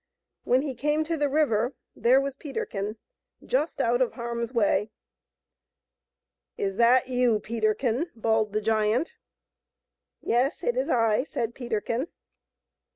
When he came to the river, there was Peterkin, just out of harm's way. " Is that you, Peterkin ?" bawled the giant. " Yes ; it is I," said Peterkin.